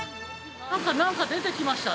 何か出てきました。